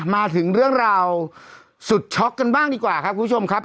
มาถึงเรื่องราวสุดช็อกกันบ้างดีกว่าครับคุณผู้ชมครับ